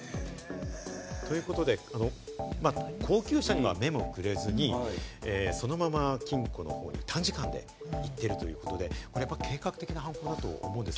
ということで、高級車には目もくれずにそのまま金庫の方に短時間で行ってるということで、計画的な犯行だと思うんです。